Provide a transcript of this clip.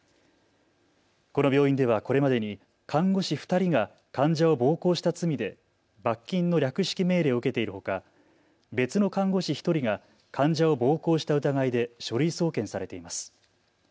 この病院ではこれまでに看護師２人が患者を暴行した罪で罰金の略式命令を受けているほか別の看護師１人が患者を暴行した疑いで書類送検されています。